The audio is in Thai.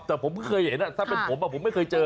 แต่ผมก็เคยเห็นถ้าเป็นผมผมไม่เคยเจอ